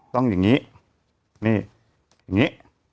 ต้องอย่างงี้